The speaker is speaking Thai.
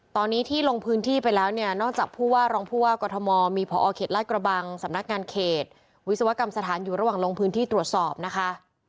ตอนนี้ที่ลงพื้นที่ไปแล้วเนี่ยนอกจากผู้ว่ารองผู้ว่ากรทมมีพอเขตลาดกระบังสำนักงานเขตวิศวกรรมสถานอยู่ระหว่างลงพื้นที่ตรวจสอบนะคะ